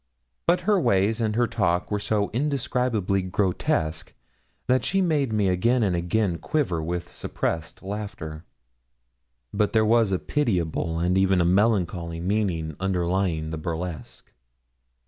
But her ways and her talk were so indescribably grotesque that she made me again and again quiver with suppressed laughter. But there was a pitiable and even a melancholy meaning underlying the burlesque.